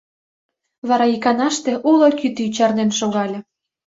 Вара иканаште уло кӱтӱ чарнен шогале.